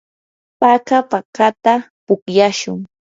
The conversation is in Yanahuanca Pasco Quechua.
paka pakata pukllashun.